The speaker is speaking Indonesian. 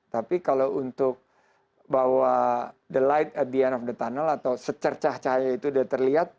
tapi kalau untuk bahwa the light at be end of the tunnel atau secercah cahaya itu sudah terlihat